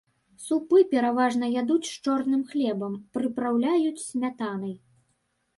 Супы пераважна ядуць з чорным хлебам, прыпраўляюць смятанай.